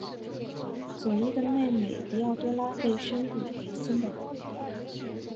佐伊的妹妹狄奥多拉被宣布为新的皇帝。